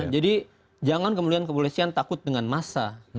jadi jangan kemuliaan kemuliaan takut dengan massa